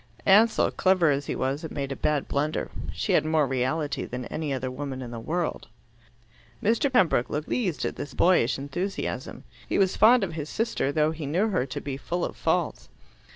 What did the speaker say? Ansell, clever as he was, had made a bad blunder. She had more reality than any other woman in the world. Mr. Pembroke looked pleased at this boyish enthusiasm. He was fond of his sister, though he knew her to be full of faults.